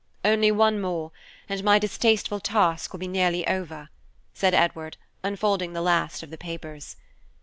"Only one more, and my distasteful task will be nearly over," said Edward, unfolding the last of the papers.